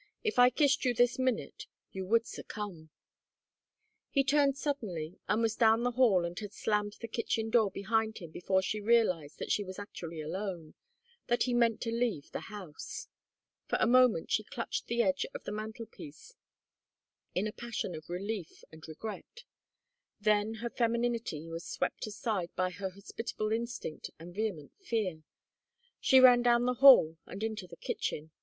If I kissed you this minute you would succumb " He turned suddenly and was down the hall and had slammed the kitchen door behind him before she realized that she was actually alone, that he meant to leave the house. For a moment she clutched the edge of the mantel piece in a passion of relief and regret. Then her femininity was swept aside by her hospitable instinct and vehement fear. She ran down the hall and into the kitchen.